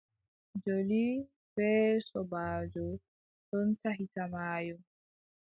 Joli bee sobaajo ɗon tahita maayo.